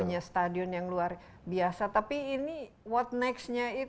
punya stadion yang luar biasa tapi ini what next nya itu